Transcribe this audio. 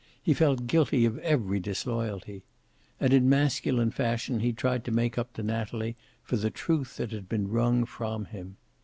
He felt guilty of every disloyalty. And in masculine fashion he tried to make up to Natalie for the truth that had been wrung from him.